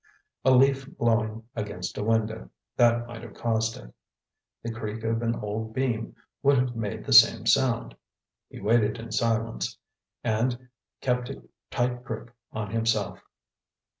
A leaf blowing against a window, that might have caused it. The creak of an old beam would have made the same sound. He waited in silence, and kept a tight grip on himself.